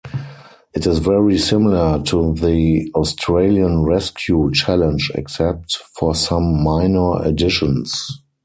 It is very similar to the Australian Rescue challenge except for some minor additions.